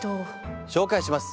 紹介します。